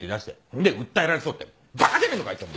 で訴えられそうってバカじゃねえのかあいつは！